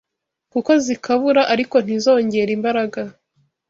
kuko zikabura ariko ntizongere imbaraga